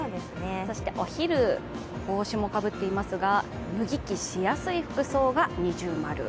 そしてお昼、帽子もかぶっていますが脱ぎ着しやすい服装が◎。